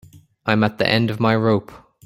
I'm at the end of my rope.